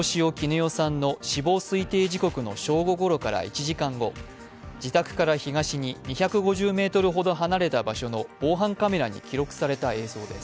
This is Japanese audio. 依さんの死亡推定時刻の正午ごろから１時間後、自宅から東に２５０ｍほど離れた場所の防犯カメラに記録された映像です。